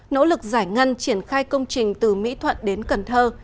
nỗ lực giải ngân triển khai công trình từ mỹ thuận đến cần thơ